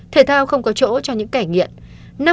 thể thao không có chỗ cho những kẻ nghiện